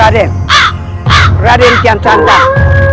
raden raden tiansantang